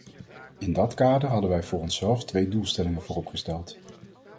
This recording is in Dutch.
In dat kader hadden wij voor onszelf twee doelstellingen vooropgesteld.